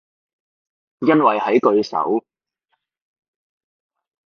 因為喺句首